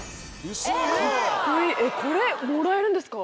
これもらえるんですか？